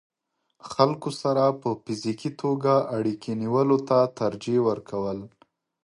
خلکو سره په فزيکي توګه اړيکې نيولو ته ترجيح ورکول